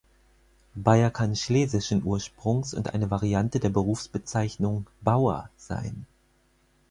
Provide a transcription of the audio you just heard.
Beyer kann schlesischen Ursprungs und eine Variante der Berufsbezeichnung "Bauer" sein.